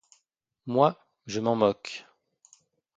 Moi, je m'en moque.